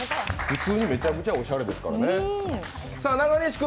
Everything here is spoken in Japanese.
普通にめちゃくちゃおしゃれですからね。